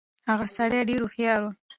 هغه سړی ډېر هوښيار و.